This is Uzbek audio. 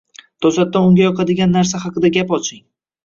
To‘satdan unga yoqadigan narsa haqida gap oching.